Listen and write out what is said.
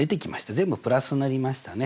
全部プラスになりましたね。